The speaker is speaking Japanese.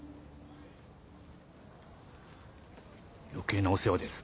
余計なお世話です。